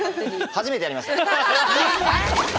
初めてやりました。